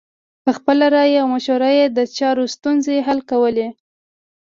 په خپله رایه او مشوره یې د چارو ستونزې حل کولې.